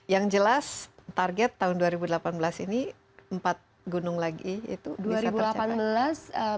yang jelas target tahun dua ribu delapan belas ini empat gunung lagi itu bisa tercapai